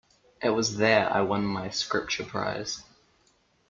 It was there I won my Scripture prize.